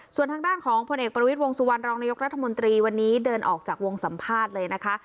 ส่วนทางด้านของผลเอกประวิทย์วงสุวรรณรองนายกรัฐมนตรีวันนี้เดินออกจากวงสัมภาษณ์เลยนะคะ